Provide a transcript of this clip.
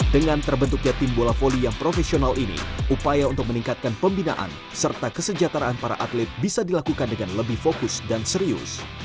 dengan terbentuknya tim bola volley yang profesional ini upaya untuk meningkatkan pembinaan serta kesejahteraan para atlet bisa dilakukan dengan lebih fokus dan serius